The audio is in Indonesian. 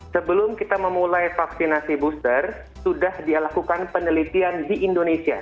sebelum kita memulai vaksinasi booster sudah dilakukan penelitian di indonesia